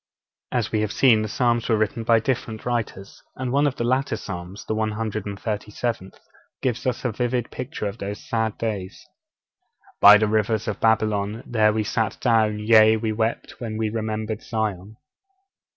As we have seen, the Psalms were written by different writers, and one of the later Psalms, the 137th, gives us a vivid picture of those sad days: '_By the rivers of Babylon, there we sat down, yea, we wept, when we remembered Zion.